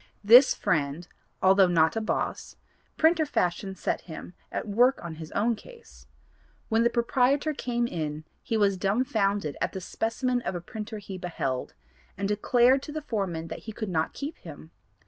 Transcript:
This friend, although not a 'boss,' printer fashion set him at work on his own case. When the proprietor came in he was dumbfounded at the specimen of a printer he beheld, and declared to the foreman that he could not keep him.